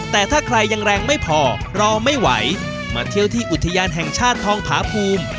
แต่ถ้าใครยังแรงไม่พอรอไม่ไหวมาเที่ยวที่อุทยานแห่งชาติทองผาภูมิ